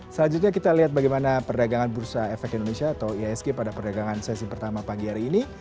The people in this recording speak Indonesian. selanjutnya kita lihat bagaimana perdagangan bursa efek indonesia atau iasg pada perdagangan sesi pertama pagi hari ini